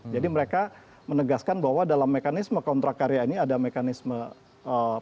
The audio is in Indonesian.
jadi mereka menegaskan bahwa dalam mekanisme kontrak karya ini ada mekanisme pembangunan